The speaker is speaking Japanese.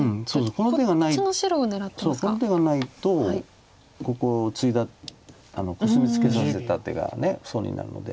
この手がないとここをツイだコスミツケさせた手が損になるので。